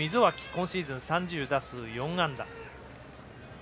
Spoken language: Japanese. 今シーズン３０打数４安打。